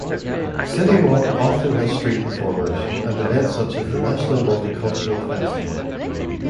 City Walk often has street performers, and events such as the National Multicultural Festival.